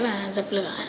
và dập lửa